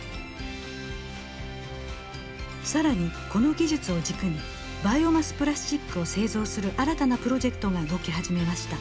更にこの技術を軸にバイオマスプラスチックを製造する新たなプロジェクトが動き始めました。